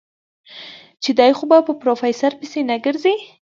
چې دی خو به په پروفيسر پسې نه ګرځي.